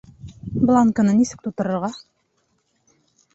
Бланкыны нисек тултырырға?